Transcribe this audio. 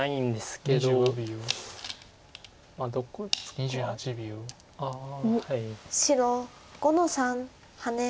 白５の三ハネ。